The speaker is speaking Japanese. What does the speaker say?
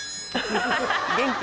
元気。